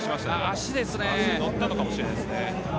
足乗ったのかもしれないですね。